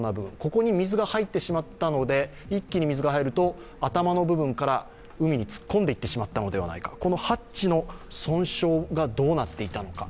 ここに水が入ってしまったので一気に水が入ると頭の部分から海に突っ込んでいってしまったのではないかこのハッチの損傷がどうなっていたのか。